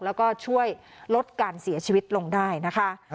แล้วก็ช่วยลดการเสียชีวิตลงได้นะคะ